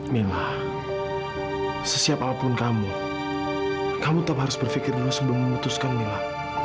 mila sesiap apapun kamu kamu tetap harus berpikir sebelum memutuskan mila